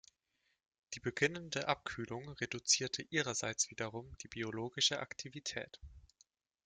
Die beginnende Abkühlung reduzierte ihrerseits wiederum die biologische Aktivität.